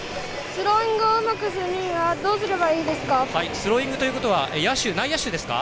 スローインをうまくするにはどうすればいいですか？